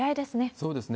そうですね。